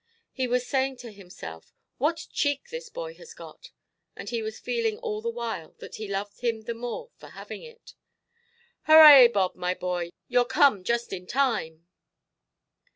He was saying to himself, "What cheek this boy has got"! and he was feeling all the while that he loved him the more for having it. "Hurrah, Bob, my boy; youʼre come just in time".